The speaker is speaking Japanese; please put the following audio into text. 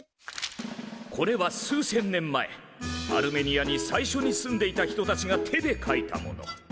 これは数千年前アルメニアに最初に住んでいた人たちが手でかいたもの。